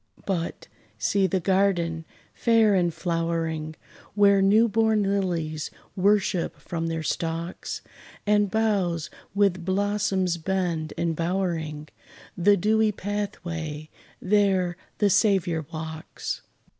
But, see the garden, fair and flowering, Where new born lilies worship from their stalks; And boughs with blossoms bend, embowering The dewy pathway! there the Saviour walks.